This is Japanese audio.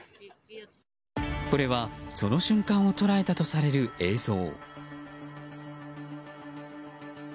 これは、その瞬間を捉えたとされる映像。